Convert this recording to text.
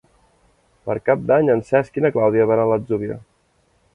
Per Cap d'Any en Cesc i na Clàudia van a l'Atzúbia.